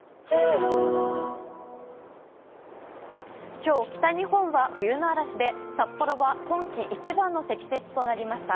今日、北日本は冬の嵐で札幌は今季一番の積雪となりました。